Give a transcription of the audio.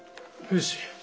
よし。